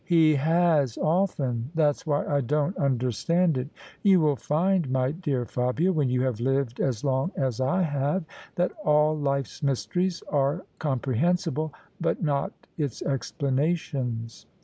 " He has often : that's why I don't understand it. You will find, my dear Fabia, when you have lived as long as I have, that all life's mysteries are comprehensible, but not its explanations.